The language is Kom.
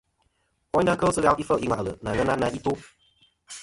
Woynda kel sɨ ghal ifel i ŋwà'lɨ nɨ aŋen na i to.